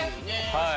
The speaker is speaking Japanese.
はい。